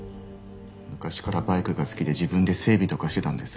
昔からバイクが好きで自分で整備とかしてたんです。